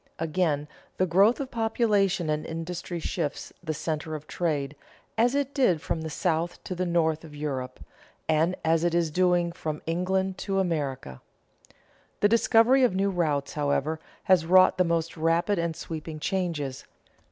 Again, the growth of population and industry shifts the center of trade, as it did from the south to the north of Europe, and as it is doing from England to America. The discovery of new routes, however, has wrought the most rapid and sweeping changes.